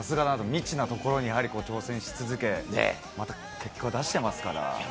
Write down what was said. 未知なところに挑戦し続け、また結果を出してますから。